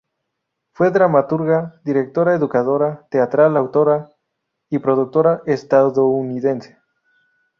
Fue dramaturga, directora, educadora teatral, autora y productora estadounidense.